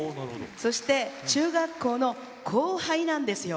そして中学校の後輩なんですよ。